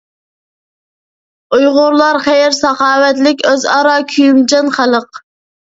ئۇيغۇرلار خەير-ساخاۋەتلىك، ئۆزئارا كۆيۈمچان خەلق.